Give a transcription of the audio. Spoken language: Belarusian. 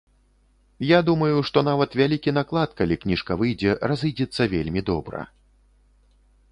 Я думаю, што нават вялікі наклад, калі кніжка выйдзе, разыдзецца вельмі добра.